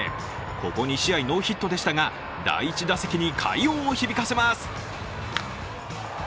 ここ２試合ノーヒットでしたが、第１打席に快音を響かせます。